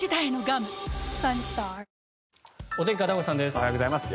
おはようございます。